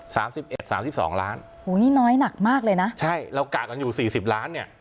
สามสิบเอ็ดสามสิบสองล้านโหนี่น้อยหนักมากเลยนะใช่เรากะกันอยู่สี่สิบล้านเนี่ย